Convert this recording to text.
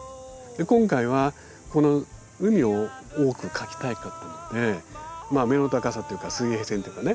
今回はこの海を多く描きたかったのでまあ目の高さっていうか水平線っていうかね